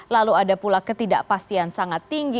lalu ada pula ketidakpastian sangat tinggi